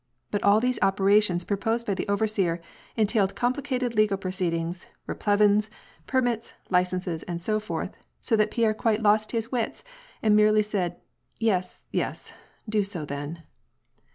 But all these operations proposed by the overseer entailed complicated legal proceedings, re plevins, permits, licenses, and so forth, so that Pierre quite lost his wits, and merely said, " Yes, yes, do so then."